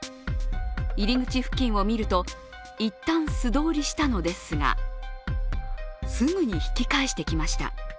入り口付近を見ると、一旦素通りしたのですがすぐに引き返してきました。